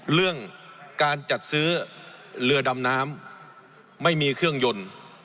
เรื่องการจัดซื้อเรือดำน้ำไม่มีเครื่องยนต์